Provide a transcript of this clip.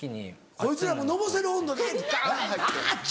こいつらはのぼせる温度であっつ！